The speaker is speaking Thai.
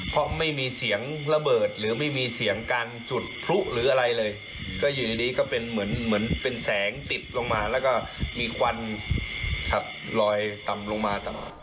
เพราะไม่มีเสียงระเบิดหรือไม่มีเสียงการจุดพลุหรืออะไรเลยก็อยู่ในนี้ก็เป็นเหมือนเหมือนเป็นแสงติดลงมาแล้วก็มีควันครับลอยต่ำลงมาตลอด